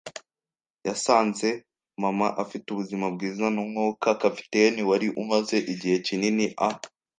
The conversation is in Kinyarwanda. yasanze mama afite ubuzima bwiza n'umwuka. Kapiteni, wari umaze igihe kinini a